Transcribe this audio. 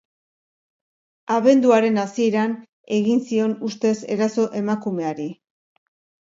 Abenduaren hasieran egin zion ustez eraso emakumeari.